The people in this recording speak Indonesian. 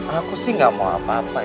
aku sih gak mau apa apa